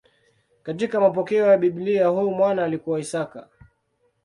Katika mapokeo ya Biblia huyu mwana alikuwa Isaka.